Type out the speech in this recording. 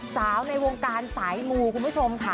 ในวงการสายมูคุณผู้ชมค่ะ